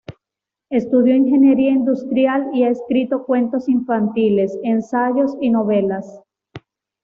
Estudió ingeniería industrial y ha escrito cuentos infantiles, ensayos y novelas.